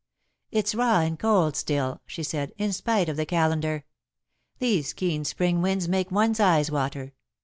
"It's raw and cold still," she said, "in spite of the calendar. These keen Spring winds make one's eyes water.